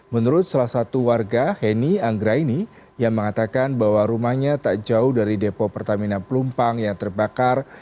menurut salah satu warga heni anggraini yang mengatakan bahwa rumahnya tak jauh dari depo pertamina pelumpang yang terbakar